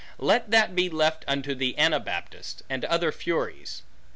Let that be left unto the Anabaptists, and other furies.